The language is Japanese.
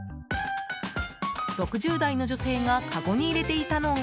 ６０代の女性がかごに入れていたのが。